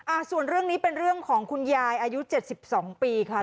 อ่าส่วนเรื่องนี้เป็นเรื่องของคุณยายอายุเจ็ดสิบสองปีค่ะ